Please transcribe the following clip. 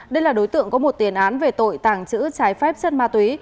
đây là đối tượng có một tiền án về tội tàng trữ trái phép chất ma túy